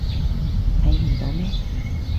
睇唔到咩？